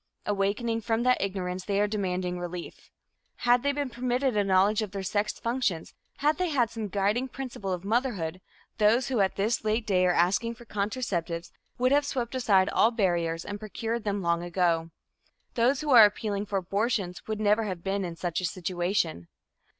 Awakening from that ignorance, they are demanding relief. Had they been permitted a knowledge of their sex functions, had they had some guiding principle of motherhood, those who at this late day are asking for contraceptives would have swept aside all barriers and procured them long ago. Those who are appealing for abortions would never have been in such a situation.